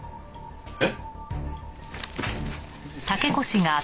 えっ？